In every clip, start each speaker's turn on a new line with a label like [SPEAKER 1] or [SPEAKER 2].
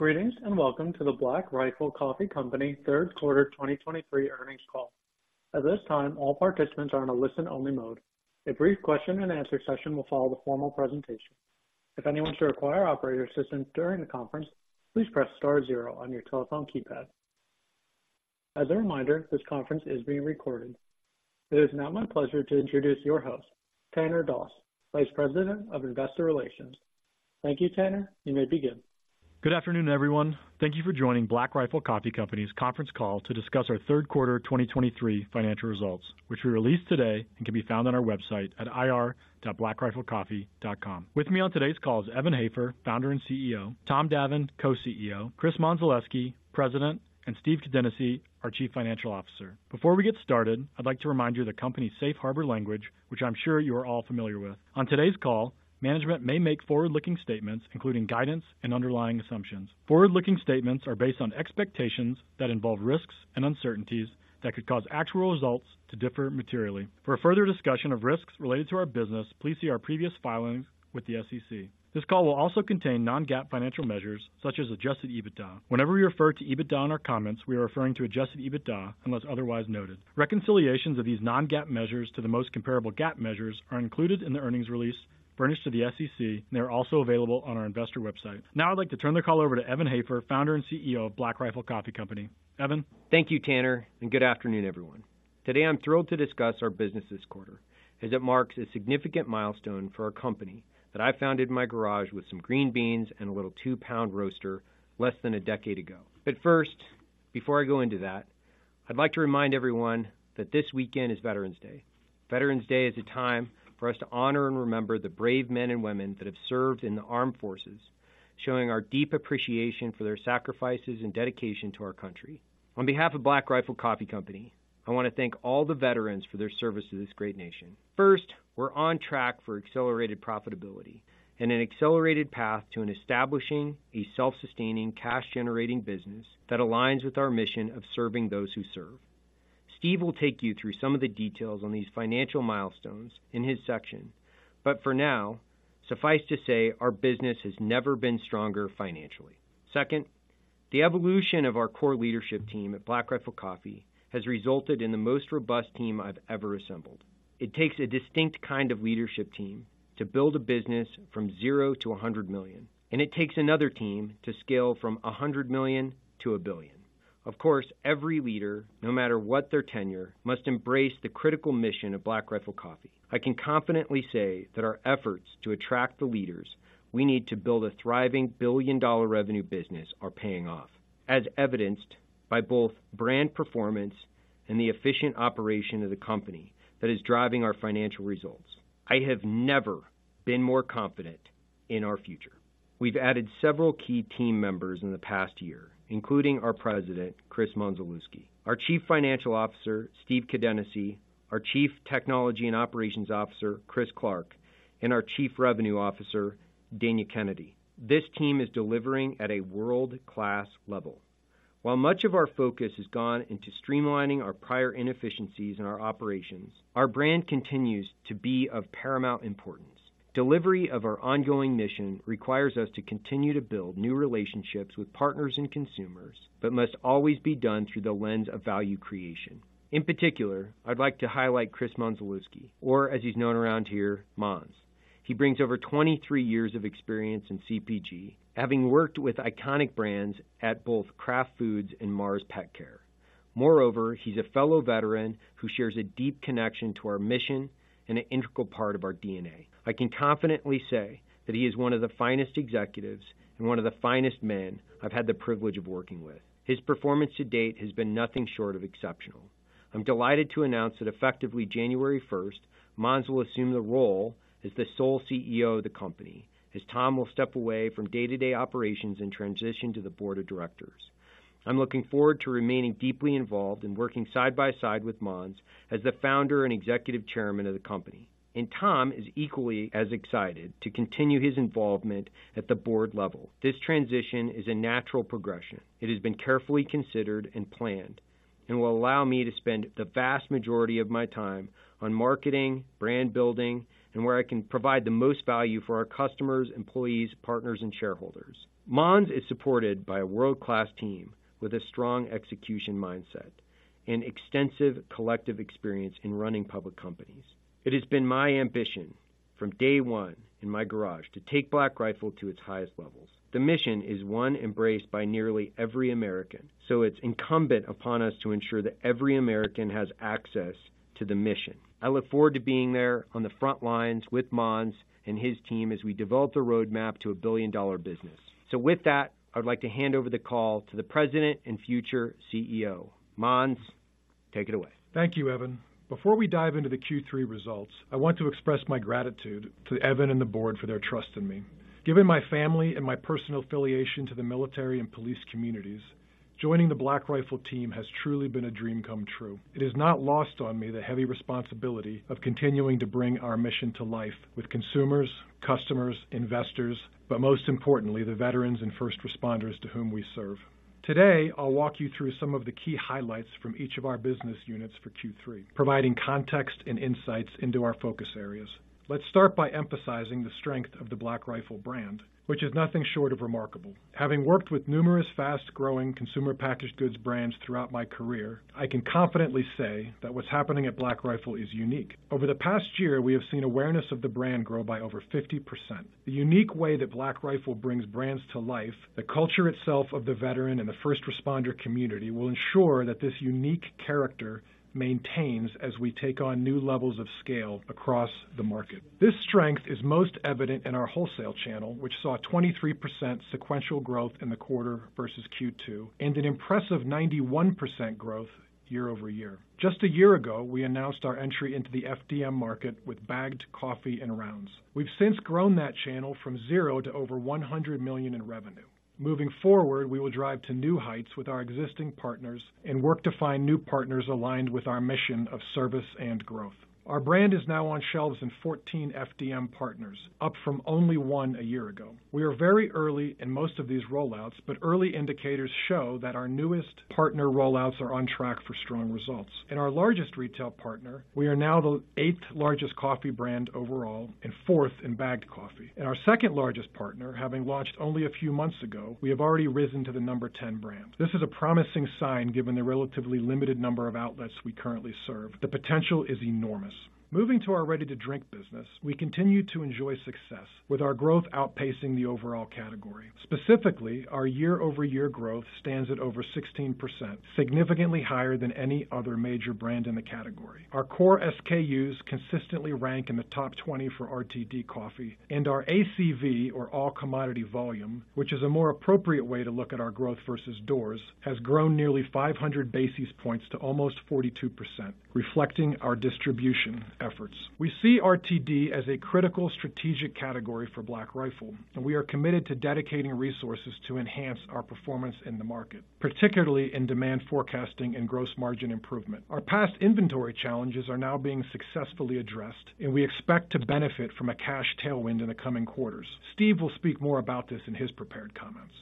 [SPEAKER 1] Greetings, and welcome to the Black Rifle Coffee Company Third Quarter 2023 Earnings Call. At this time, all participants are on a listen-only mode. A brief question-and-answer session will follow the formal presentation. If anyone should require operator assistance during the conference, please press star zero on your telephone keypad. As a reminder, this conference is being recorded. It is now my pleasure to introduce your host, Tanner Doss, Vice President of Investor Relations. Thank you, Tanner. You may begin.
[SPEAKER 2] Good afternoon, everyone. Thank you for joining Black Rifle Coffee Company's conference call to discuss our third quarter 2023 financial results, which we released today and can be found on our website at ir.blackriflecoffee.com. With me on today's call is Evan Hafer, founder and CEO, Tom Davin, co-CEO, Chris Mondzelewski, President, and Steve Kadenacy, our Chief Financial Officer. Before we get started, I'd like to remind you of the company's safe harbor language, which I'm sure you are all familiar with. On today's call, management may make forward-looking statements, including guidance and underlying assumptions. Forward-looking statements are based on expectations that involve risks and uncertainties that could cause actual results to differ materially. For a further discussion of risks related to our business, please see our previous filings with the SEC. This call will also contain non-GAAP financial measures, such as Adjusted EBITDA. Whenever we refer to EBITDA in our comments, we are referring to adjusted EBITDA, unless otherwise noted. Reconciliations of these non-GAAP measures to the most comparable GAAP measures are included in the earnings release furnished to the SEC, and they are also available on our investor website. Now I'd like to turn the call over to Evan Hafer, founder and CEO of Black Rifle Coffee Company. Evan?
[SPEAKER 3] Thank you, Tanner, and good afternoon, everyone. Today, I'm thrilled to discuss our business this quarter as it marks a significant milestone for our company that I founded in my garage with some green beans and a little two pound roaster less than a decade ago. But first, before I go into that, I'd like to remind everyone that this weekend is Veterans Day. Veterans Day is a time for us to honor and remember the brave men and women that have served in the armed forces, showing our deep appreciation for their sacrifices and dedication to our country. On behalf of Black Rifle Coffee Company, I want to thank all the veterans for their service to this great nation. First, we're on track for accelerated profitability and an accelerated path to establishing a self-sustaining, cash-generating business that aligns with our mission of serving those who serve. Steve will take you through some of the details on these financial milestones in his section, but for now, suffice to say, our business has never been stronger financially. Second, the evolution of our core leadership team at Black Rifle Coffee has resulted in the most robust team I've ever assembled. It takes a distinct kind of leadership team to build a business from 0 to $100 million, and it takes another team to scale from $100 million to $1 billion. Of course, every leader, no matter what their tenure, must embrace the critical mission of Black Rifle Coffee. I can confidently say that our efforts to attract the leaders we need to build a thriving billion-dollar revenue business are paying off, as evidenced by both brand performance and the efficient operation of the company that is driving our financial results. I have never been more confident in our future. We've added several key team members in the past year, including our president, Chris Mondzelewski, our Chief Financial Officer, Steve Kadenacy, our Chief Technology and Operations Officer, Chris Clark, and our Chief Revenue Officer, Danya Kennedy. This team is delivering at a world-class level. While much of our focus has gone into streamlining our prior inefficiencies in our operations, our brand continues to be of paramount importance. Delivery of our ongoing mission requires us to continue to build new relationships with partners and consumers, but must always be done through the lens of value creation. In particular, I'd like to highlight Chris Mondzelewski, or as he's known around here, Monz. He brings over 23 years of experience in CPG, having worked with iconic brands at both Kraft Foods and Mars Petcare. Moreover, he's a fellow veteran who shares a deep connection to our mission and an integral part of our DNA. I can confidently say that he is one of the finest executives and one of the finest men I've had the privilege of working with. His performance to date has been nothing short of exceptional. I'm delighted to announce that effectively January first, Mondzelewski will assume the role as the sole CEO of the company, as Tom will step away from day-to-day operations and transition to the board of directors. I'm looking forward to remaining deeply involved and working side by side with Mondzelewski as the founder and executive chairman of the company. Tom is equally as excited to continue his involvement at the board level. This transition is a natural progression. It has been carefully considered and planned and will allow me to spend the vast majority of my time on marketing, brand building, and where I can provide the most value for our customers, employees, partners, and shareholders. Monz is supported by a world-class team with a strong execution mindset and extensive collective experience in running public companies. It has been my ambition from day one in my garage to take Black Rifle to its highest levels. The mission is one embraced by nearly every American, so it's incumbent upon us to ensure that every American has access to the mission. I look forward to being there on the front lines with Monz and his team as we develop the roadmap to a billion-dollar business. So with that, I'd like to hand over the call to the president and future CEO. Monz, take it away.
[SPEAKER 4] Thank you, Evan. Before we dive into the Q3 results, I want to express my gratitude to Evan and the board for their trust in me. Given my family and my personal affiliation to the military and police communities. Joining the Black Rifle team has truly been a dream come true. It is not lost on me, the heavy responsibility of continuing to bring our mission to life with consumers, customers, investors, but most importantly, the veterans and first responders to whom we serve. Today, I'll walk you through some of the key highlights from each of our business units for Q3, providing context and insights into our focus areas. Let's start by emphasizing the strength of the Black Rifle brand, which is nothing short of remarkable. Having worked with numerous fast-growing consumer packaged goods brands throughout my career, I can confidently say that what's happening at Black Rifle is unique. Over the past year, we have seen awareness of the brand grow by over 50%. The unique way that Black Rifle brings brands to life, the culture itself of the veteran and the first responder community, will ensure that this unique character maintains as we take on new levels of scale across the market. This strength is most evident in our wholesale channel, which saw a 23% sequential growth in the quarter versus Q2, and an impressive 91% growth year-over-year. Just a year ago, we announced our entry into the FDM market with bagged coffee and rounds. We've since grown that channel from zero to over $100 million in revenue. Moving forward, we will drive to new heights with our existing partners and work to find new partners aligned with our mission of service and growth. Our brand is now on shelves in 14 FDM partners, up from only one a year ago. We are very early in most of these rollouts, but early indicators show that our newest partner rollouts are on track for strong results. In our largest retail partner, we are now the eighth-largest coffee brand overall and fourth in bagged coffee. In our second-largest partner, having launched only a few months ago, we have already risen to the number 10 brand. This is a promising sign, given the relatively limited number of outlets we currently serve. The potential is enormous. Moving to our ready-to-drink business, we continue to enjoy success, with our growth outpacing the overall category. Specifically, our year-over-year growth stands at over 16%, significantly higher than any other major brand in the category. Our core SKUs consistently rank in the top 20 for RTD coffee, and our ACV, or all commodity volume, which is a more appropriate way to look at our growth versus doors, has grown nearly 500 basis points to almost 42%, reflecting our distribution efforts. We see RTD as a critical strategic category for Black Rifle, and we are committed to dedicating resources to enhance our performance in the market, particularly in demand forecasting and gross margin improvement. Our past inventory challenges are now being successfully addressed, and we expect to benefit from a cash tailwind in the coming quarters. Steve will speak more about this in his prepared comments.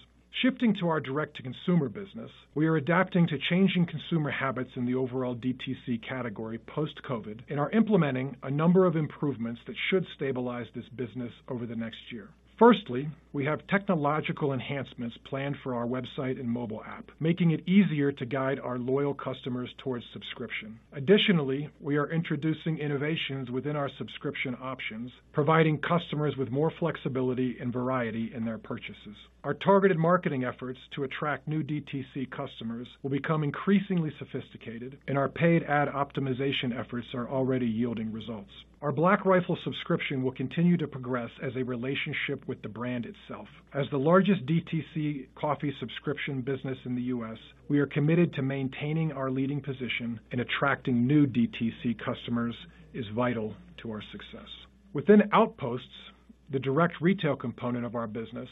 [SPEAKER 4] Shifting to our direct-to-consumer business, we are adapting to changing consumer habits in the overall DTC category post-COVID, and are implementing a number of improvements that should stabilize this business over the next year. Firstly, we have technological enhancements planned for our website and mobile app, making it easier to guide our loyal customers towards subscription. Additionally, we are introducing innovations within our subscription options, providing customers with more flexibility and variety in their purchases. Our targeted marketing efforts to attract new DTC customers will become increasingly sophisticated, and our paid ad optimization efforts are already yielding results. Our Black Rifle subscription will continue to progress as a relationship with the brand itself. As the largest DTC coffee subscription business in the U.S., we are committed to maintaining our leading position, and attracting new DTC customers is vital to our success. Within Outposts, the direct retail component of our business,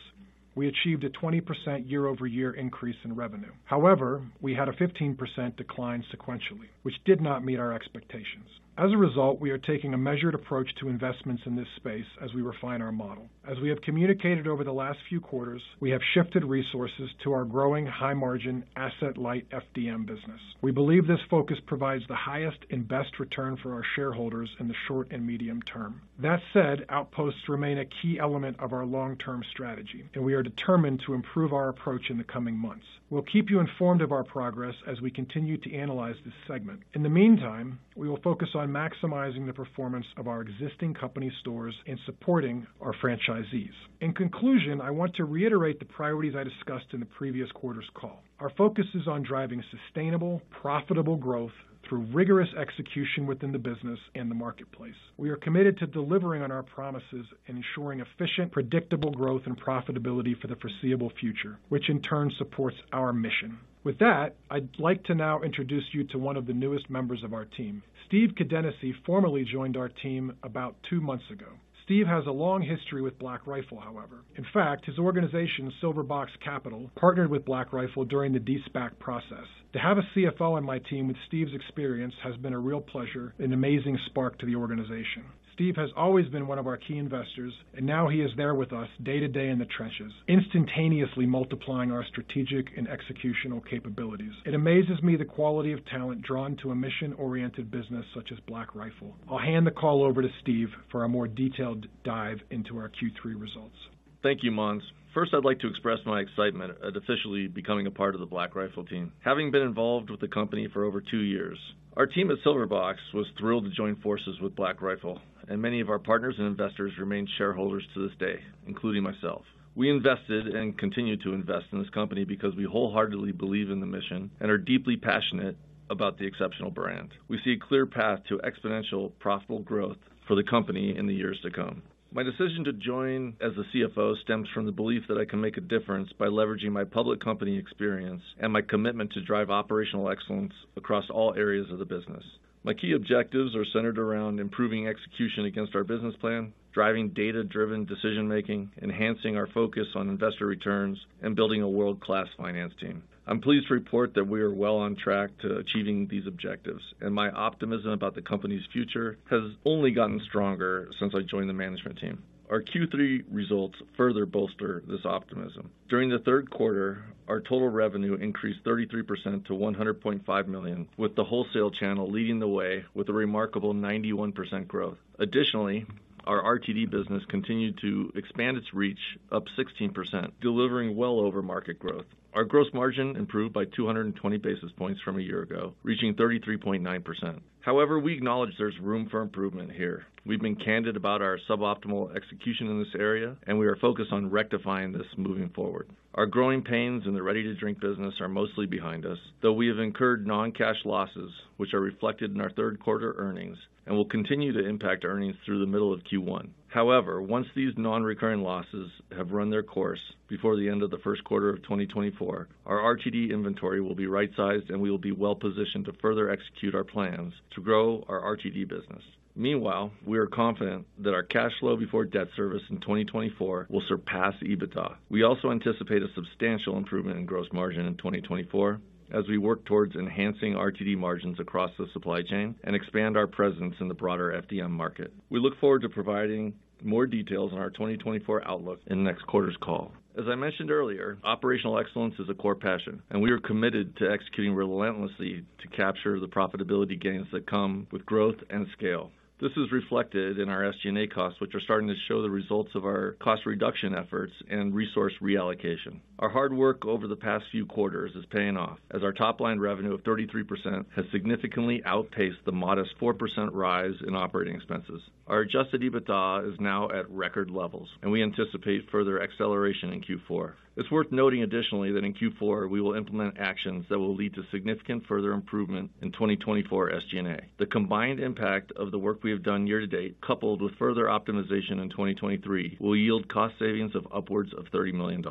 [SPEAKER 4] we achieved a 20% year-over-year increase in revenue. However, we had a 15% decline sequentially, which did not meet our expectations. As a result, we are taking a measured approach to investments in this space as we refine our model. As we have communicated over the last few quarters, we have shifted resources to our growing high-margin, asset-light FDM business. We believe this focus provides the highest and best return for our shareholders in the short and medium term. That said, Outposts remain a key element of our long-term strategy, and we are determined to improve our approach in the coming months. We'll keep you informed of our progress as we continue to analyze this segment. In the meantime, we will focus on maximizing the performance of our existing company stores and supporting our franchisees. In conclusion, I want to reiterate the priorities I discussed in the previous quarter's call. Our focus is on driving sustainable, profitable growth through rigorous execution within the business and the marketplace. We are committed to delivering on our promises and ensuring efficient, predictable growth and profitability for the foreseeable future, which in turn supports our mission. With that, I'd like to now introduce you to one of the newest members of our team. Steve Kadenacy formally joined our team about two months ago. Steve has a long history with Black Rifle, however. In fact, his organization, SilverBox Capital, partnered with Black Rifle during the de-SPAC process. To have a CFO on my team with Steve's experience has been a real pleasure and amazing spark to the organization. Steve has always been one of our key investors, and now he is there with us day-to-day in the trenches, instantaneously multiplying our strategic and executional capabilities. It amazes me the quality of talent drawn to a mission-oriented business such as Black Rifle. I'll hand the call over to Steve for a more detailed dive into our Q3 results.
[SPEAKER 5] Thank you, Monz. First, I'd like to express my excitement at officially becoming a part of the Black Rifle team, having been involved with the company for over two years. Our team at SilverBox was thrilled to join forces with Black Rifle, and many of our partners and investors remain shareholders to this day, including myself. We invested and continue to invest in this company because we wholeheartedly believe in the mission and are deeply passionate about the exceptional brand. We see a clear path to exponential, profitable growth for the company in the years to come. My decision to join as the CFO stems from the belief that I can make a difference by leveraging my public company experience and my commitment to drive operational excellence across all areas of the business. My key objectives are centered around improving execution against our business plan, driving data-driven decision making, enhancing our focus on investor returns, and building a world-class finance team. I'm pleased to report that we are well on track to achieving these objectives, and my optimism about the company's future has only gotten stronger since I joined the management team. Our Q3 results further bolster this optimism. During the third quarter, our total revenue increased 33% to $100.5 million, with the wholesale channel leading the way with a remarkable 91% growth. Additionally, our RTD business continued to expand its reach up 16%, delivering well over market growth. Our gross margin improved by 220 basis points from a year ago, reaching 33.9%. However, we acknowledge there's room for improvement here. We've been candid about our suboptimal execution in this area, and we are focused on rectifying this moving forward. Our growing pains in the ready-to-drink business are mostly behind us, though we have incurred non-cash losses, which are reflected in our third quarter earnings and will continue to impact earnings through the middle of Q1. However, once these nonrecurring losses have run their course before the end of the first quarter of 2024, our RTD inventory will be right-sized, and we will be well positioned to further execute our plans to grow our RTD business. Meanwhile, we are confident that our cash flow before debt service in 2024 will surpass EBITDA. We also anticipate a substantial improvement in gross margin in 2024 as we work towards enhancing RTD margins across the supply chain and expand our presence in the broader FDM market. We look forward to providing more details on our 2024 outlook in next quarter's call. As I mentioned earlier, operational excellence is a core passion, and we are committed to executing relentlessly to capture the profitability gains that come with growth and scale. This is reflected in our SG&A costs, which are starting to show the results of our cost reduction efforts and resource reallocation. Our hard work over the past few quarters is paying off, as our top-line revenue of 33% has significantly outpaced the modest 4% rise in operating expenses. Our adjusted EBITDA is now at record levels, and we anticipate further acceleration in Q4. It's worth noting additionally, that in Q4, we will implement actions that will lead to significant further improvement in 2024 SG&A. The combined impact of the work we have done year to date, coupled with further optimization in 2023, will yield cost savings of upwards of $30 million.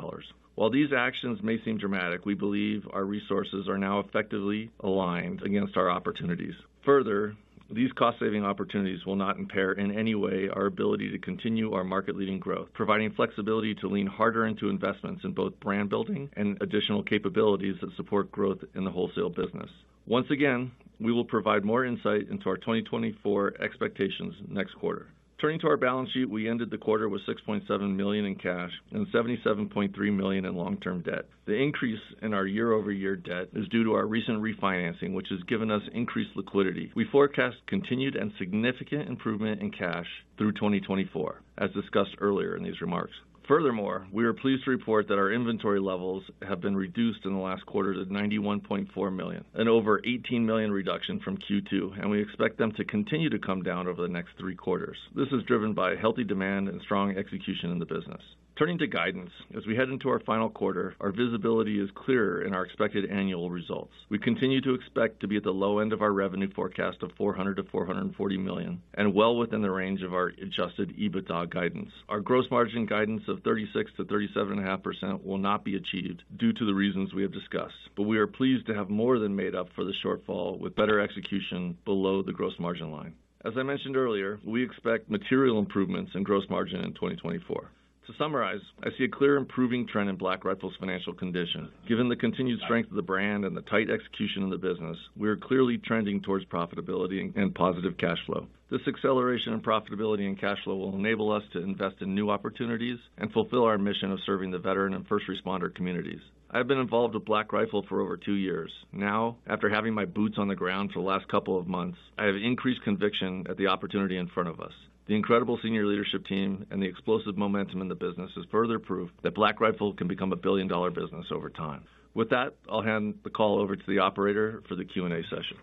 [SPEAKER 5] While these actions may seem dramatic, we believe our resources are now effectively aligned against our opportunities. Further, these cost-saving opportunities will not impair in any way our ability to continue our market-leading growth, providing flexibility to lean harder into investments in both brand building and additional capabilities that support growth in the wholesale business. Once again, we will provide more insight into our 2024 expectations next quarter. Turning to our balance sheet, we ended the quarter with $6.7 million in cash and $77.3 million in long-term debt. The increase in our year-over-year debt is due to our recent refinancing, which has given us increased liquidity. We forecast continued and significant improvement in cash through 2024, as discussed earlier in these remarks. Furthermore, we are pleased to report that our inventory levels have been reduced in the last quarter to $91.4 million, an over $18 million reduction from Q2, and we expect them to continue to come down over the next three quarters. This is driven by healthy demand and strong execution in the business. Turning to guidance, as we head into our final quarter, our visibility is clearer in our expected annual results. We continue to expect to be at the low end of our revenue forecast of $400 million-$440 million, and well within the range of our Adjusted EBITDA guidance. Our gross margin guidance of 36%-37.5% will not be achieved due to the reasons we have discussed, but we are pleased to have more than made up for the shortfall with better execution below the gross margin line. As I mentioned earlier, we expect material improvements in gross margin in 2024. To summarize, I see a clear improving trend in Black Rifle's financial condition. Given the continued strength of the brand and the tight execution of the business, we are clearly trending towards profitability and positive cash flow. This acceleration in profitability and cash flow will enable us to invest in new opportunities and fulfill our mission of serving the veteran and first responder communities. I've been involved with Black Rifle for over two years. Now, after having my boots on the ground for the last couple of months, I have increased conviction at the opportunity in front of us. The incredible senior leadership team and the explosive momentum in the business is further proof that Black Rifle can become a billion-dollar business over time. With that, I'll hand the call over to the operator for the Q&A session.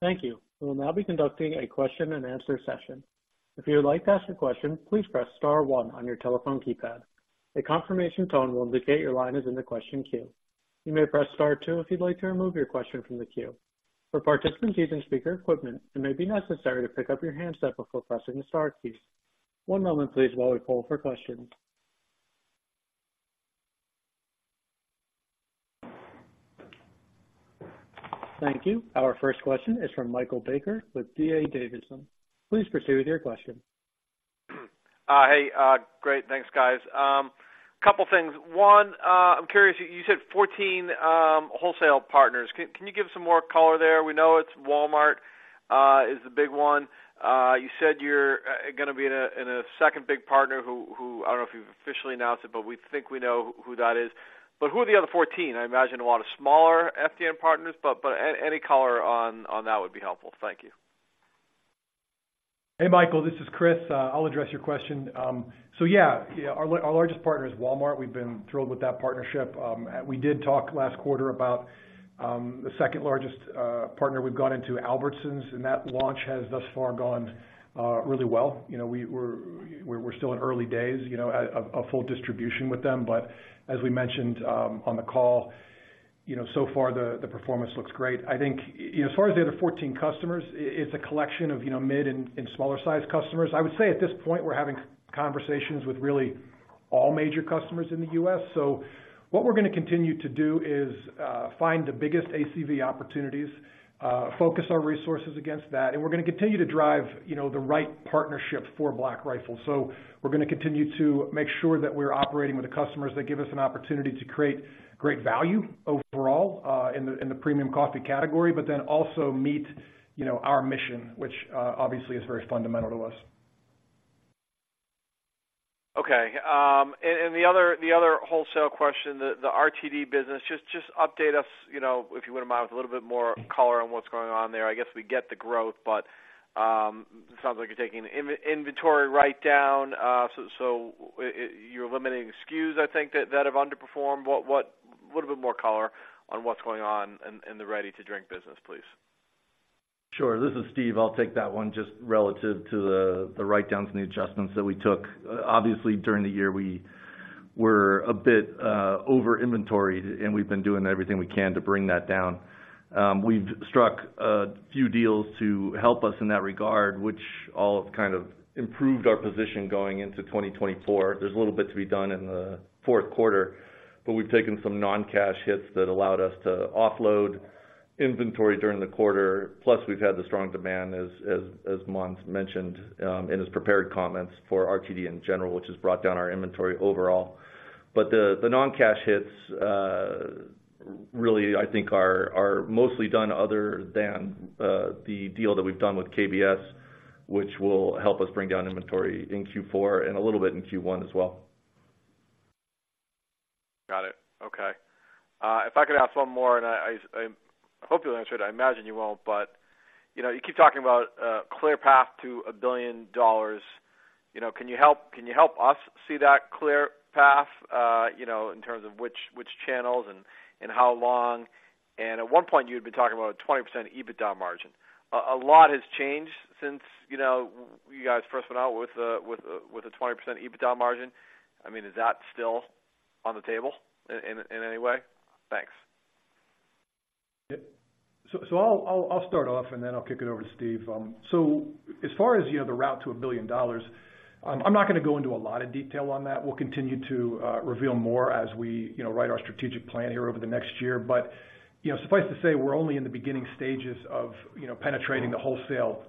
[SPEAKER 1] Thank you. We will now be conducting a question-and-answer session. If you would like to ask a question, please press star one on your telephone keypad. A confirmation tone will indicate your line is in the question queue. You may press star two if you'd like to remove your question from the queue. For participants using speaker equipment, it may be necessary to pick up your handset before pressing the star key. One moment, please, while we poll for questions. Thank you. Our first question is from Michael Baker with D.A. Davidson. Please proceed with your question.
[SPEAKER 6] Hey, great. Thanks, guys. Couple things. One, I'm curious, you said 14 wholesale partners. Can you give some more color there? We know it's Walmart is the big one. You said you're gonna be in a second big partner who I don't know if you've officially announced it, but we think we know who that is. But who are the other 14? I imagine a lot of smaller FDM partners, but any color on that would be helpful. Thank you.
[SPEAKER 4] Hey, Michael, this is Chris. I'll address your question. So yeah, yeah, our largest partner is Walmart. We've been thrilled with that partnership. We did talk last quarter about the second largest partner. We've gone into Albertsons, and that launch has thus far gone really well. You know, we're still in early days, you know, a full distribution with them. But as we mentioned on the call, you know, so far the performance looks great. I think, you know, as far as the other 14 customers, it's a collection of, you know, mid and smaller-sized customers. I would say at this point, we're having conversations with really all major customers in the U.S. So what we're gonna continue to do is, find the biggest ACV opportunities, focus our resources against that, and we're gonna continue to drive, you know, the right partnership for Black Rifle. So we're gonna continue to make sure that we're operating with the customers that give us an opportunity to create great value overall, in the premium coffee category, but then also meet, you know, our mission, which, obviously, is very fundamental to us.
[SPEAKER 6] Okay. And the other wholesale question, the RTD business, just update us, you know, if you wouldn't mind, with a little bit more color on what's going on there. I guess we get the growth, but it sounds like you're taking an inventory write down. So you're eliminating SKUs, I think, that have underperformed. What a little bit more color on what's going on in the ready-to-drink business, please.
[SPEAKER 5] Sure. This is Steve. I'll take that one, just relative to the write-downs and the adjustments that we took. Obviously, during the year, we were a bit over inventoried, and we've been doing everything we can to bring that down. We've struck a few deals to help us in that regard, which all have kind of improved our position going into 2024. There's a little bit to be done in the fourth quarter, but we've taken some non-cash hits that allowed us to offload inventory during the quarter, plus we've had the strong demand as Evan mentioned in his prepared comments for RTD in general, which has brought down our inventory overall. But the non-cash hits really, I think, are mostly done other than the deal that we've done with KBS, which will help us bring down inventory in Q4 and a little bit in Q1 as well.
[SPEAKER 6] Got it. Okay. If I could ask one more, and I hope you'll answer it. I imagine you will, but, you know, you keep talking about a clear path to $1 billion. You know, can you help, can you help us see that clear path, you know, in terms of which channels and how long? And at one point, you had been talking about a 20% EBITDA margin. A lot has changed since, you know, you guys first went out with a 20% EBITDA margin. I mean, is that still on the table in any way? Thanks.
[SPEAKER 4] Yeah. So I'll start off, and then I'll kick it over to Steve. So as far as you know, the route to $1 billion, I'm not gonna go into a lot of detail on that. We'll continue to reveal more as we, you know, write our strategic plan here over the next year. But, you know, suffice to say, we're only in the beginning stages of, you know, penetrating the wholesale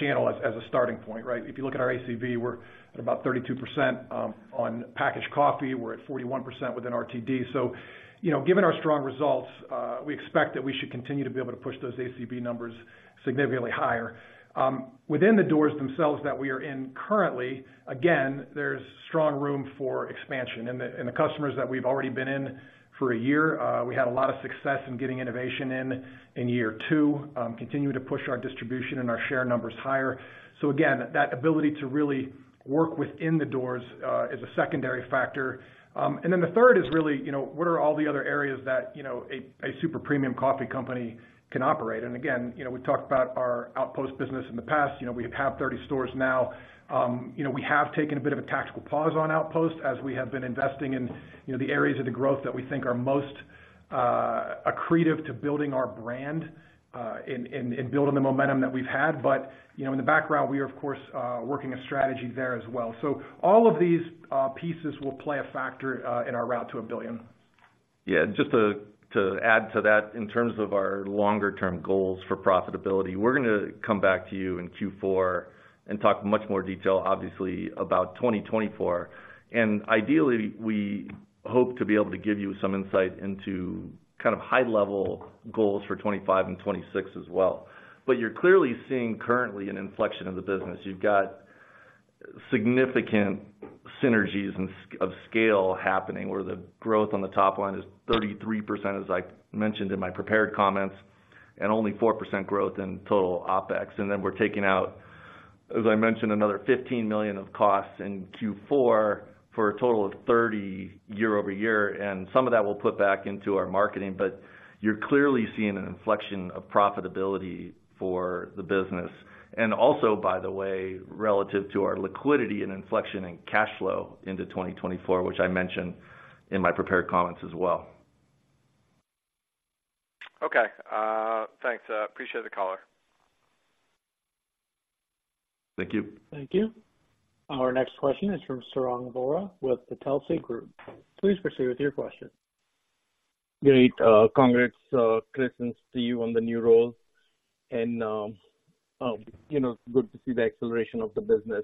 [SPEAKER 4] channel as a starting point, right? If you look at our ACV, we're at about 32% on packaged coffee. We're at 41% within RTD. So, you know, given our strong results, we expect that we should continue to be able to push those ACV numbers significantly higher. Within the doors themselves that we are in currently, again, there's strong room for expansion. And the customers that we've already been in for a year, we had a lot of success in getting innovation in year two, continuing to push our distribution and our share numbers higher. So again, that ability to really work within the doors is a secondary factor. And then the third is really, you know, what are all the other areas that, you know, a super premium coffee company can operate? And again, you know, we've talked about our Outpost business in the past. You know, we have 30 stores now. You know, we have taken a bit of a tactical pause on Outpost as we have been investing in, you know, the areas of the growth that we think are most accretive to building our brand and building the momentum that we've had. But, you know, in the background, we are, of course, working a strategy there as well. So all of these pieces will play a factor in our route to a billion.
[SPEAKER 5] Yeah, just to add to that, in terms of our longer-term goals for profitability, we're gonna come back to you in Q4 and talk in much more detail, obviously, about 2024. And ideally, we hope to be able to give you some insight into kind of high-level goals for 2025 and 2026 as well. But you're clearly seeing currently an inflection in the business. You've got significant synergies and scale happening, where the growth on the top line is 33%, as I mentioned in my prepared comments, and only 4% growth in total OpEx. And then we're taking out, as I mentioned, another $15 million of costs in Q4 for a total of $30 year-over-year, and some of that we'll put back into our marketing. But you're clearly seeing an inflection of profitability for the business, and also, by the way, relative to our liquidity and inflection in cash flow into 2024, which I mentioned in my prepared comments as well.
[SPEAKER 6] Okay. Thanks. Appreciate the call here.
[SPEAKER 5] Thank you.
[SPEAKER 1] Thank you. Our next question is from Sarang Vora with the Telsey Group. Please proceed with your question.
[SPEAKER 7] Great. Congrats, Chris, and to you on the new role, and, you know, good to see the acceleration of the business.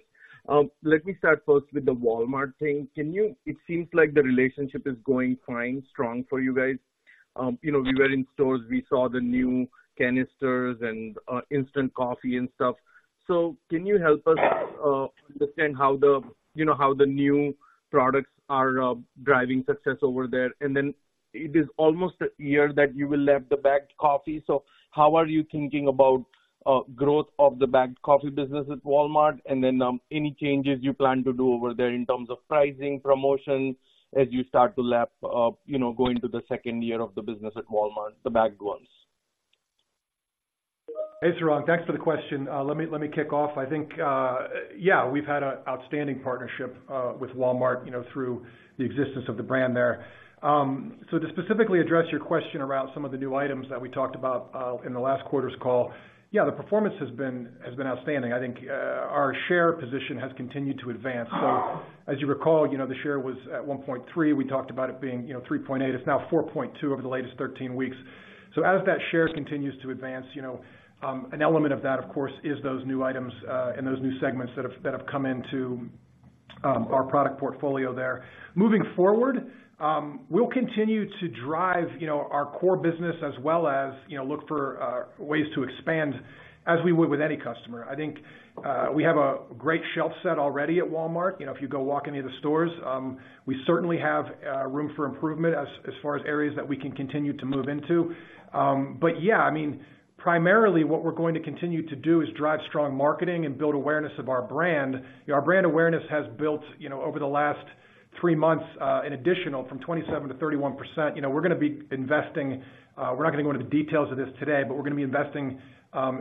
[SPEAKER 7] Let me start first with the Walmart thing. Can you it seems like the relationship is going fine, strong for you guys? You know, we were in stores, we saw the new canisters and, instant coffee and stuff. So can you help us, understand how the, you know, how the new products are, driving success over there? And then it is almost a year that you will leave the bagged coffee. So how are you thinking about growth of the bagged coffee business at Walmart, and then any changes you plan to do over there in terms of pricing, promotion, as you start to lap, you know, go into the second year of the business at Walmart, the bagged ones?
[SPEAKER 4] Hey, Sarang, thanks for the question. Let me kick off. I think, yeah, we've had an outstanding partnership with Walmart, you know, through the existence of the brand there. So to specifically address your question around some of the new items that we talked about in the last quarter's call. Yeah, the performance has been outstanding. I think our share position has continued to advance. So as you recall, you know, the share was at 1.3. We talked about it being, you know, 3.8. It's now 4.2 over the latest 13 weeks. So as that share continues to advance, you know, an element of that, of course, is those new items and those new segments that have come into our product portfolio there. Moving forward, we'll continue to drive, you know, our core business as well as, you know, look for ways to expand as we would with any customer. I think, we have a great shelf set already at Walmart. You know, if you go walk any of the stores, we certainly have room for improvement as far as areas that we can continue to move into. But yeah, I mean, primarily what we're going to continue to do is drive strong marketing and build awareness of our brand. Our brand awareness has built, you know, over the last three months, an additional from 27% to 31%. You know, we're gonna be investing, we're not going to go into the details of this today, but we're gonna be investing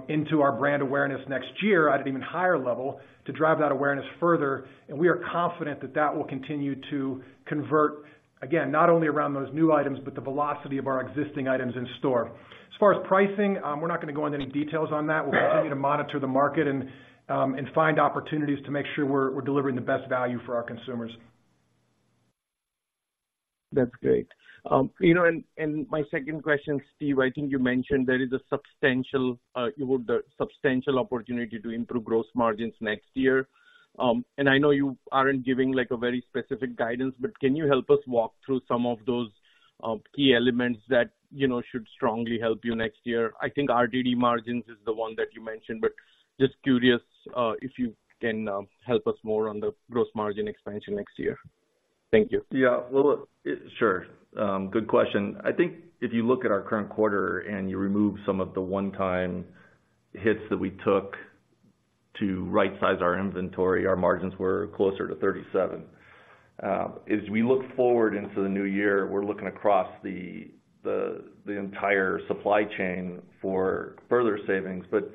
[SPEAKER 4] into our brand awareness next year at an even higher level to drive that awareness further. And we are confident that that will continue to convert, again, not only around those new items, but the velocity of our existing items in store. As far as pricing, we're not gonna go into any details on that. We're continuing to monitor the market and find opportunities to make sure we're delivering the best value for our consumers.
[SPEAKER 7] That's great. You know, and my second question, Steve, I think you mentioned there is a substantial opportunity to improve gross margins next year. And I know you aren't giving, like, a very specific guidance, but can you help us walk through some of those key elements that, you know, should strongly help you next year? I think RTD margins is the one that you mentioned, but just curious, if you can help us more on the gross margin expansion next year. Thank you.
[SPEAKER 5] Yeah, well, sure. Good question. I think if you look at our current quarter and you remove some of the one-time hits that we took to rightsize our inventory, our margins were closer to 37%. As we look forward into the new year, we're looking across the entire supply chain for further savings, but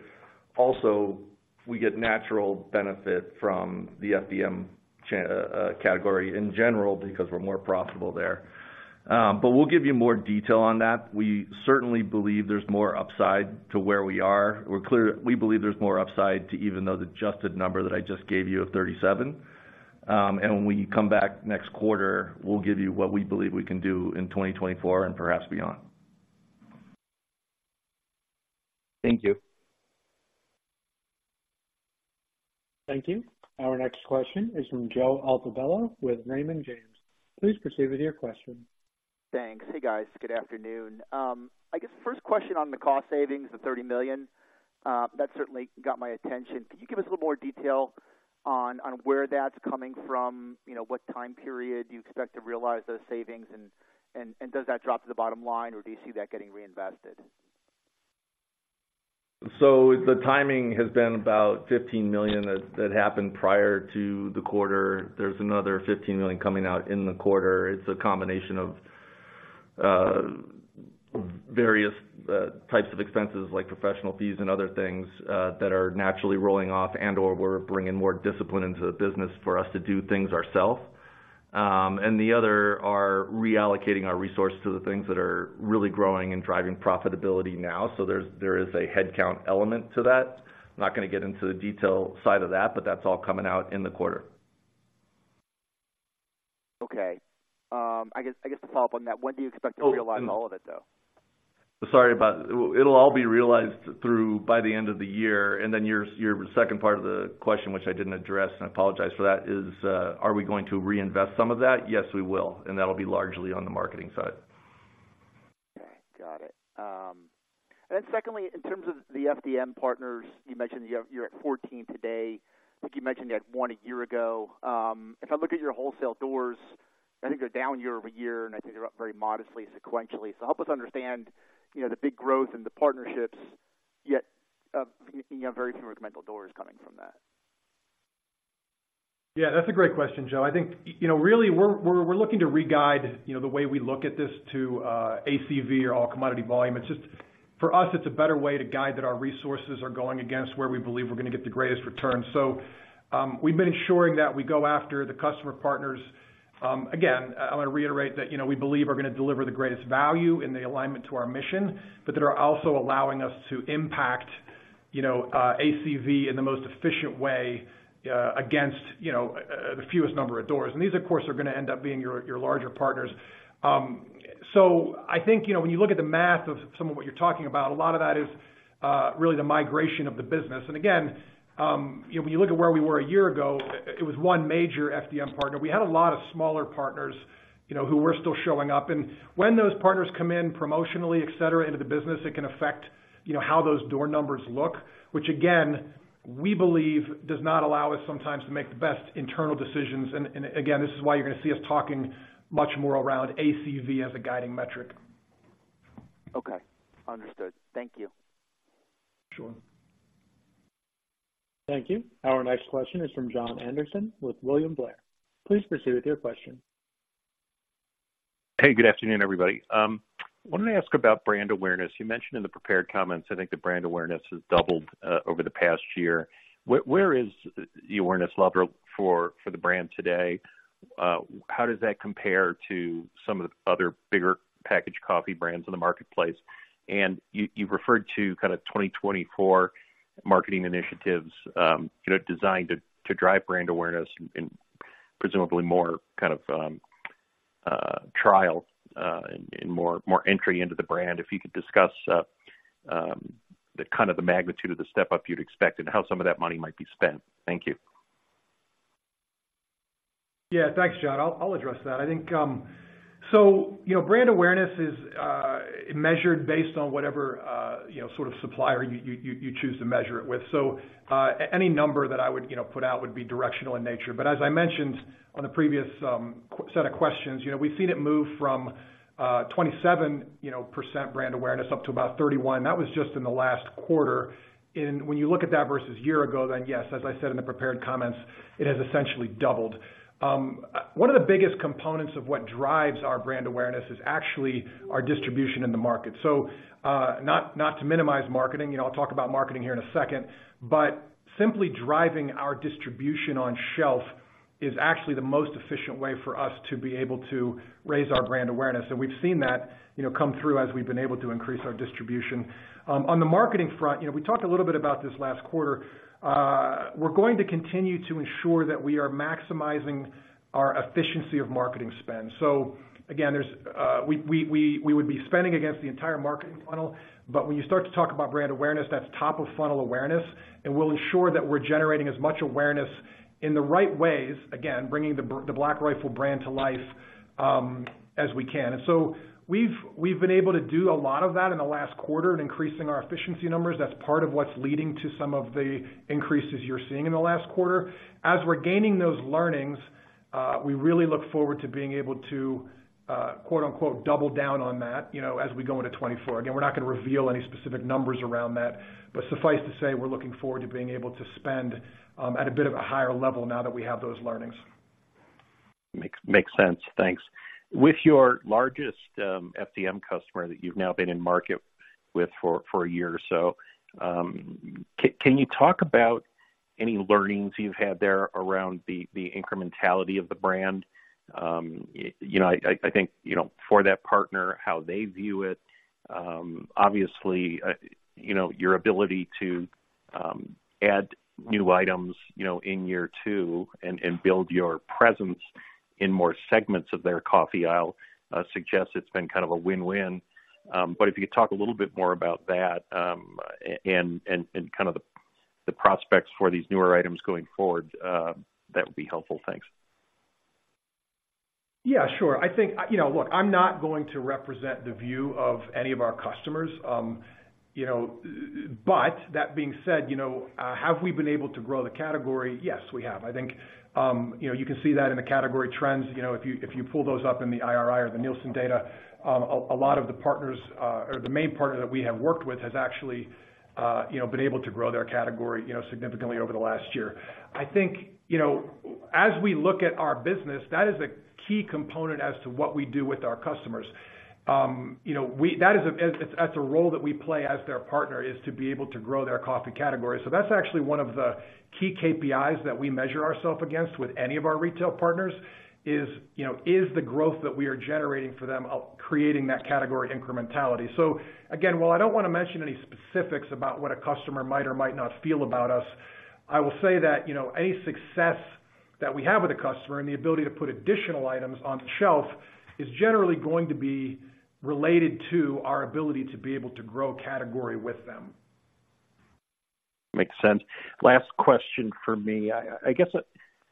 [SPEAKER 5] also we get natural benefit from the FDM category in general because we're more profitable there. But we'll give you more detail on that. We certainly believe there's more upside to where we are. We're clear. We believe there's more upside to even though the adjusted number that I just gave you of 37%. When we come back next quarter, we'll give you what we believe we can do in 2024 and perhaps beyond.
[SPEAKER 7] Thank you.
[SPEAKER 1] Thank you. Our next question is from Joe Altobello with Raymond James. Please proceed with your question.
[SPEAKER 8] Thanks. Hey, guys. Good afternoon. I guess the first question on the cost savings, the $30 million, that certainly got my attention. Can you give us a little more detail on where that's coming from? You know, what time period do you expect to realize those savings? And does that drop to the bottom line, or do you see that getting reinvested?
[SPEAKER 5] So the timing has been about $15 million that, that happened prior to the quarter. There's another $15 million coming out in the quarter. It's a combination of various types of expenses, like professional fees and other things that are naturally rolling off and/or we're bringing more discipline into the business for us to do things ourselves. And the other are reallocating our resources to the things that are really growing and driving profitability now. So there's, there is a headcount element to that. I'm not gonna get into the detail side of that, but that's all coming out in the quarter.
[SPEAKER 8] Okay. I guess, I guess to follow up on that, when do you expect to realize all of it, though?
[SPEAKER 5] Sorry about. It'll all be realized through by the end of the year. And then your, your second part of the question, which I didn't address, and I apologize for that, is, are we going to reinvest some of that? Yes, we will, and that'll be largely on the marketing side.
[SPEAKER 8] Okay, got it. And then secondly, in terms of the FDM partners, you mentioned you're at 14 today. I think you mentioned you had one a year ago. If I look at your wholesale doors, I think they're down year-over-year, and I think they're up very modestly, sequentially. So help us understand, you know, the big growth in the partnerships, yet, you know, very few incremental doors coming from that.
[SPEAKER 4] Yeah, that's a great question, Joe. I think, you know, really, we're looking to re-guide, you know, the way we look at this to ACV or all commodity volume. It's just... For us, it's a better way to guide that our resources are going against where we believe we're gonna get the greatest return. So, we've been ensuring that we go after the customer partners. Again, I wanna reiterate that, you know, we believe are gonna deliver the greatest value in the alignment to our mission, but that are also allowing us to impact, you know, ACV in the most efficient way, against, you know, the fewest number of doors. And these, of course, are gonna end up being your larger partners. So I think, you know, when you look at the math of some of what you're talking about, a lot of that is, really the migration of the business. And again, you know, when you look at where we were a year ago, it was one major FDM partner. We had a lot of smaller partners, you know, who were still showing up. And when those partners come in promotionally, et cetera, into the business, it can affect, you know, how those door numbers look, which again, we believe does not allow us sometimes to make the best internal decisions. And again, this is why you're gonna see us talking much more around ACV as a guiding metric.
[SPEAKER 8] Okay, understood. Thank you.
[SPEAKER 4] Sure.
[SPEAKER 1] Thank you. Our next question is from Jon Andersen with William Blair. Please proceed with your question.
[SPEAKER 9] Hey, good afternoon, everybody. Wanted to ask about brand awareness. You mentioned in the prepared comments, I think the brand awareness has doubled over the past year. Where is the awareness level for the brand today? How does that compare to some of the other bigger packaged coffee brands in the marketplace? And you referred to kind of 2024 marketing initiatives, you know, designed to drive brand awareness and presumably more kind of trial and more entry into the brand. If you could discuss the kind of magnitude of the step-up you'd expect and how some of that money might be spent. Thank you.
[SPEAKER 4] Yeah, thanks, Jon. I'll address that. I think, so, you know, brand awareness is measured based on whatever, you know, sort of supplier you choose to measure it with. So, any number that I would, you know, put out would be directional in nature. But as I mentioned on the previous set of questions, you know, we've seen it move from 27%, you know, brand awareness up to about 31%. That was just in the last quarter. When you look at that versus year ago, then yes, as I said in the prepared comments, it has essentially doubled. One of the biggest components of what drives our brand awareness is actually our distribution in the market. So, not to minimize marketing, you know, I'll talk about marketing here in a second, but simply driving our distribution on shelf is actually the most efficient way for us to be able to raise our brand awareness. And we've seen that, you know, come through as we've been able to increase our distribution. On the marketing front, you know, we talked a little bit about this last quarter. We're going to continue to ensure that we are maximizing our efficiency of marketing spend. So again, we would be spending against the entire marketing funnel, but when you start to talk about brand awareness, that's top of funnel awareness, and we'll ensure that we're generating as much awareness in the right ways, again, bringing the Black Rifle brand to life, as we can. We've been able to do a lot of that in the last quarter in increasing our efficiency numbers. That's part of what's leading to some of the increases you're seeing in the last quarter. As we're gaining those learnings, we really look forward to being able to, quote, unquote, "double down on that," you know, as we go into 2024. Again, we're not gonna reveal any specific numbers around that, but suffice to say, we're looking forward to being able to spend at a bit of a higher level now that we have those learnings.
[SPEAKER 9] Makes sense. Thanks. With your largest FDM customer that you've now been in market with for a year or so, can you talk about any learnings you've had there around the incrementality of the brand? You know, I think, you know, for that partner, how they view it, obviously, you know, your ability to add new items, you know, in year two and build your presence in more segments of their coffee aisle suggests it's been kind of a win-win. But if you could talk a little bit more about that and kind of the prospects for these newer items going forward, that would be helpful. Thanks.
[SPEAKER 4] Yeah, sure. I think, You know, look, I'm not going to represent the view of any of our customers, you know, but that being said, you know, have we been able to grow the category? Yes, we have. I think, you know, you can see that in the category trends. You know, if you pull those up in the IRI or the Nielsen data, a lot of the partners, or the main partner that we have worked with has actually, you know, been able to grow their category, you know, significantly over the last year. I think, you know, as we look at our business, that is a key component as to what we do with our customers. You know, we that is, as a role that we play as their partner, is to be able to grow their coffee category. So that's actually one of the key KPIs that we measure ourself against with any of our retail partners, is, you know, the growth that we are generating for them, creating that category incrementality? So again, while I don't want to mention any specifics about what a customer might or might not feel about us, I will say that, you know, any success that we have with a customer and the ability to put additional items on the shelf, is generally going to be related to our ability to be able to grow category with them.
[SPEAKER 9] Makes sense. Last question for me. I guess I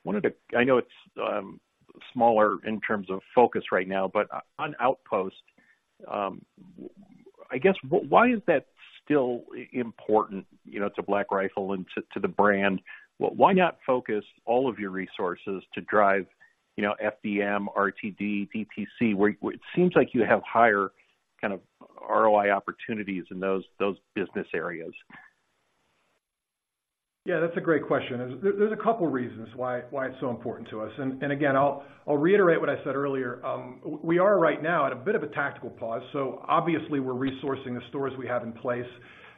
[SPEAKER 9] wanted to... I know it's smaller in terms of focus right now, but on Outpost, I guess, why is that still important, you know, to Black Rifle and to the brand? Why not focus all of your resources to drive, you know, FDM, RTD, DTC, where it seems like you have higher kind of ROI opportunities in those business areas?
[SPEAKER 4] Yeah, that's a great question. There's a couple reasons why it's so important to us, and again, I'll reiterate what I said earlier. We are right now at a bit of a tactical pause, so obviously we're resourcing the stores we have in place.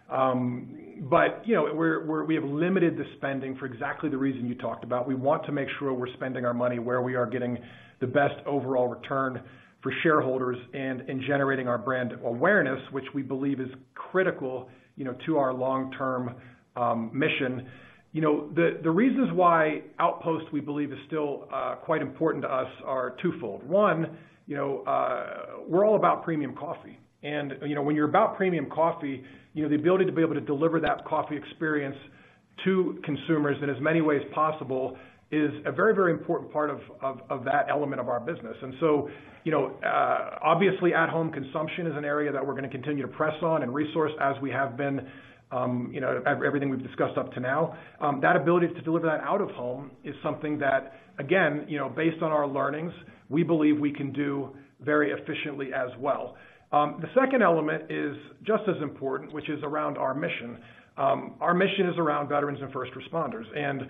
[SPEAKER 4] But, you know, we have limited the spending for exactly the reason you talked about. We want to make sure we're spending our money where we are getting the best overall return for shareholders and in generating our brand awareness, which we believe is critical, you know, to our long-term mission. You know, the reasons why Outpost, we believe, is still quite important to us are twofold. One, you know, we're all about premium coffee. You know, when you're about premium coffee, you know, the ability to be able to deliver that coffee experience to consumers in as many ways possible is a very, very important part of that element of our business. So, you know, obviously, at-home consumption is an area that we're gonna continue to press on and resource as we have been, you know, everything we've discussed up to now. That ability to deliver that out of home is something that, again, you know, based on our learnings, we believe we can do very efficiently as well. The second element is just as important, which is around our mission. Our mission is around veterans and first responders, and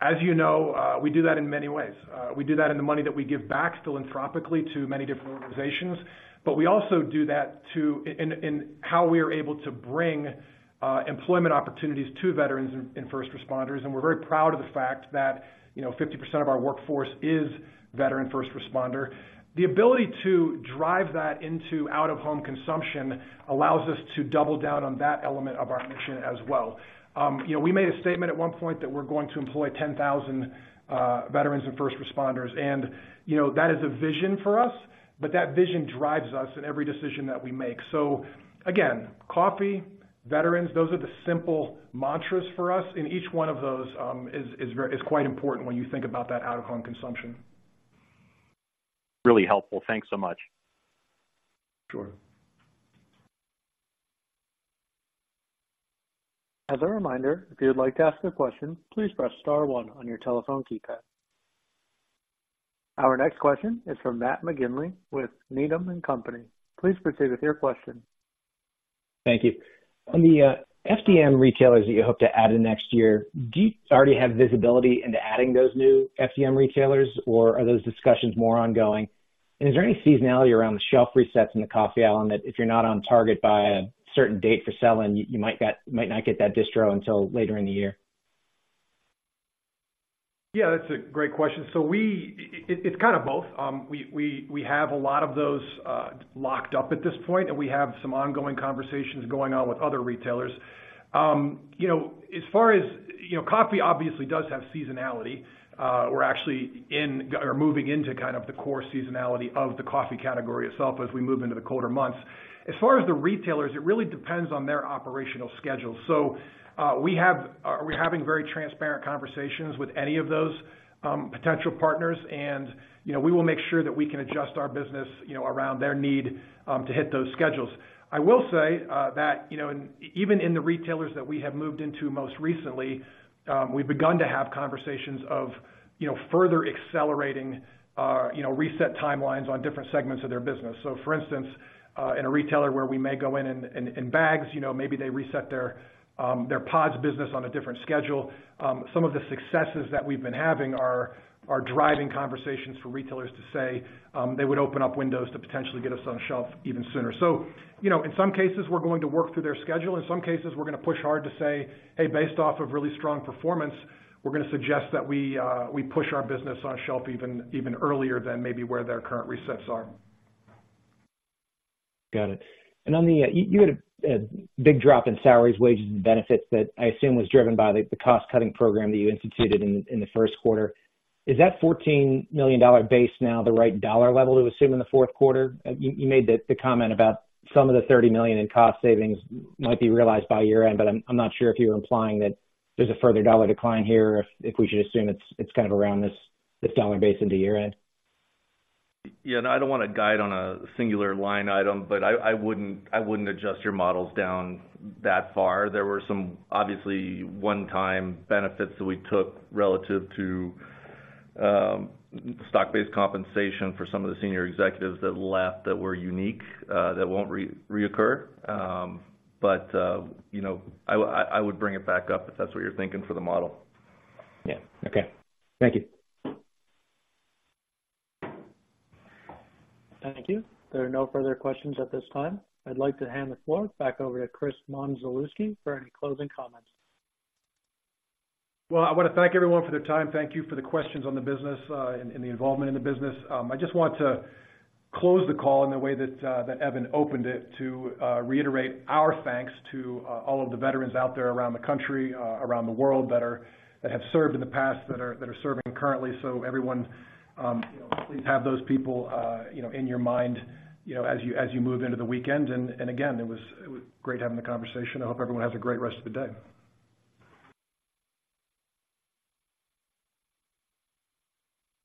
[SPEAKER 4] as you know, we do that in many ways. We do that in the money that we give back philanthropically to many different organizations, but we also do that in how we are able to bring employment opportunities to veterans and first responders, and we're very proud of the fact that, you know, 50% of our workforce is veteran first responder. The ability to drive that into out-of-home consumption allows us to double down on that element of our mission as well. You know, we made a statement at one point that we're going to employ 10,000 veterans and first responders, and, you know, that is a vision for us, but that vision drives us in every decision that we make. So again, coffee, veterans, those are the simple mantras for us, and each one of those is quite important when you think about that out-of-home consumption.
[SPEAKER 9] Really helpful. Thanks so much.
[SPEAKER 4] Sure.
[SPEAKER 1] As a reminder, if you'd like to ask a question, please press star one on your telephone keypad. Our next question is from Matt McGinley with Needham and Company. Please proceed with your question.
[SPEAKER 10] Thank you. On the FDM retailers that you hope to add in next year, do you already have visibility into adding those new FDM retailers, or are those discussions more ongoing? And is there any seasonality around the shelf resets in the coffee island, that if you're not on target by a certain date for selling, you might not get that distro until later in the year?
[SPEAKER 4] Yeah, that's a great question. So it's kind of both. We have a lot of those locked up at this point, and we have some ongoing conversations going on with other retailers. You know, as far as... You know, coffee obviously does have seasonality. We're actually in or moving into kind of the core seasonality of the coffee category itself as we move into the colder months. As far as the retailers, it really depends on their operational schedule. So we are having very transparent conversations with any of those potential partners and, you know, we will make sure that we can adjust our business, you know, around their need to hit those schedules. I will say, that, you know, even in the retailers that we have moved into most recently, we've begun to have conversations of, you know, further accelerating our, you know, reset timelines on different segments of their business. So, for instance, in a retailer where we may go in and in bags, you know, maybe they reset their pods business on a different schedule. Some of the successes that we've been having are driving conversations for retailers to say, they would open up windows to potentially get us on shelf even sooner. So, you know, in some cases, we're going to work through their schedule. In some cases, we're gonna push hard to say, "Hey, based off of really strong performance, we're gonna suggest that we push our business on shelf even earlier than maybe where their current resets are.
[SPEAKER 10] Got it. And on the, you had a big drop in salaries, wages, and benefits that I assume was driven by the cost-cutting program that you instituted in the first quarter. Is that $14 million dollar base now the right dollar level to assume in the fourth quarter? You made the comment about some of the $30 million in cost savings might be realized by year-end, but I'm not sure if you're implying that there's a further dollar decline here, or if we should assume it's kind of around this dollar base into year-end.
[SPEAKER 5] Yeah, and I don't want to guide on a singular line item, but I wouldn't adjust your models down that far. There were some obviously one-time benefits that we took relative to stock-based compensation for some of the senior executives that left, that were unique, that won't reoccur. But you know, I would bring it back up if that's what you're thinking for the model.
[SPEAKER 10] Yeah. Okay. Thank you.
[SPEAKER 1] Thank you. There are no further questions at this time. I'd like to hand the floor back over to Chris Mondzelewski for any closing comments.
[SPEAKER 4] Well, I wanna thank everyone for their time. Thank you for the questions on the business and the involvement in the business. I just want to close the call in the way that Evan opened it, to reiterate our thanks to all of the veterans out there around the country, around the world, that have served in the past, that are serving currently. So everyone, you know, please have those people, you know, in your mind, you know, as you move into the weekend. And again, it was great having the conversation. I hope everyone has a great rest of the day.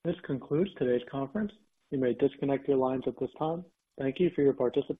[SPEAKER 1] This concludes today's conference. You may disconnect your lines at this time. Thank you for your participation.